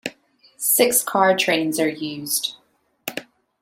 Six-car trains are used.